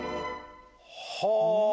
はあ！